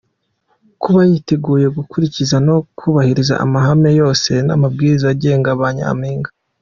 Kuba yiteguye gukurikiza no kubahiriza amahame yose n’amabwiriza agenga ba Nyampinga.